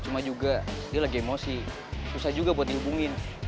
cuma juga dia lagi emosi susah juga buat dihubungin